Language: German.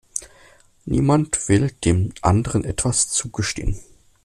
Niemand will dem anderen etwas zugestehen.